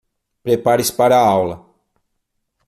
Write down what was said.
Prepare-se para a aula